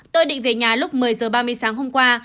tôi định về nhà lúc một mươi h ba mươi sáng hôm qua